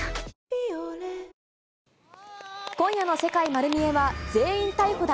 「ビオレ」今夜の世界まる見え！は、全員逮捕だ！